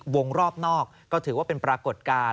วงรอบนอกก็ถือว่าเป็นปรากฏการณ์